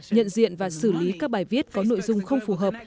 nhận diện và xử lý các bài viết có nội dung không phù hợp